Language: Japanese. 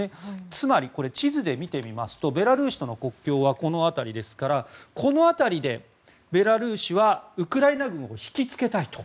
つまり、地図で見てみますとベラルーシとの国境はこの辺りですからこの辺りでベラルーシはウクライナ軍を引きつけたいと。